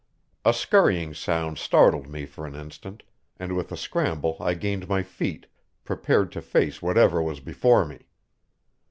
A scurrying sound startled me for an instant, and with a scramble I gained my feet, prepared to face whatever was before me.